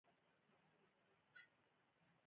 ژمی د افغانانو ژوند اغېزمن کوي.